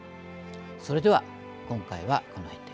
それでは今回はこのへんで。